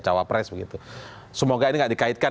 cowapres begitu semoga ini gak dikaitkan